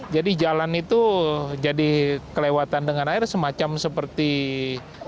jadi jalan itu jadi kelewatan dengan air semacam seperti sungai kecil